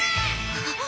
あっ！